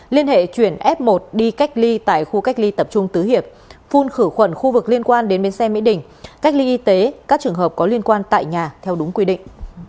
liên hệ chuyển f một đi cách ly tại khu cách ly tập trung tứ hiệp phun khử khuẩn khu vực liên quan đến bến xe mỹ đình cách ly y tế các trường hợp có liên quan tại nhà theo đúng quy định